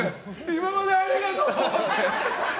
今までありがとう！って。